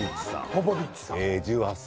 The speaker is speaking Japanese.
ポポビッチさん。え１８歳。